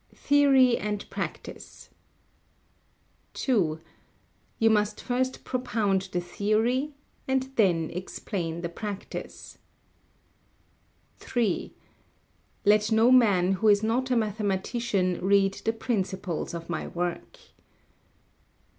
[Sidenote: Theory and Practice] 2. You must first propound the theory and then explain the practice. 3. Let no man who is not a mathematician read the principles of my work.